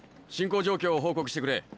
進行状況を報告してくれ！